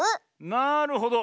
なるほど！